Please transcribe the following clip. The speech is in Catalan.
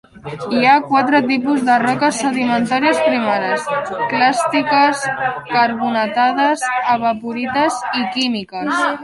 Hi ha quatre tipus de roques sedimentàries primàries: clàstiques, carbonatades, evaporites i químiques.